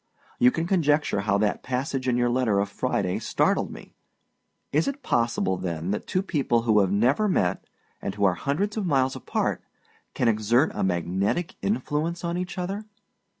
You can conjecture how that passage in your letter of Friday startled me. Is it possible, than, that two people who have never met, and who are hundreds of miles apart, can exert a magnetic influence on each other?